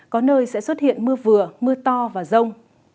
có nơi sẽ xuất hiện mưa vừa mưa to và rông